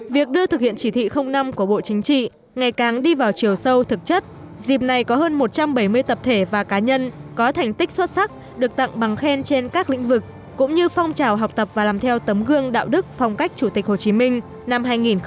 việc đưa thực hiện chỉ thị năm của bộ chính trị ngày càng đi vào chiều sâu thực chất dịp này có hơn một trăm bảy mươi tập thể và cá nhân có thành tích xuất sắc được tặng bằng khen trên các lĩnh vực cũng như phong trào học tập và làm theo tấm gương đạo đức phong cách chủ tịch hồ chí minh năm hai nghìn một mươi tám